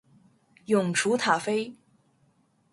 永雏塔菲